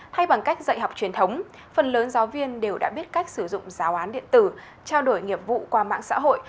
hay bằng cách dạy học truyền thống phần lớn giáo viên đều đã biết cách sử dụng giáo án điện tử trao đổi nghiệp vụ qua mạng xã hội